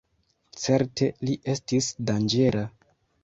Certe, li estis danĝera.